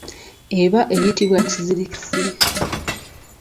Eba eyitibwa kizirikisi.